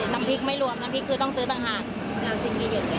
น้ำพริกไม่รวมน้ำพริกคือต้องซื้อต่างหาก